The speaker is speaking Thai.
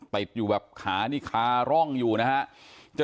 ติดอยู่แบบหนีคาร่องอยู่นะครับ